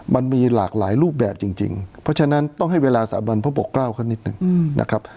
มันมีหลากหลายรูปแบบจริงเพราะฉะนั้นต้องให้เวลาสาบันพระปกเกล้าเขานิดหนึ่งนะครับ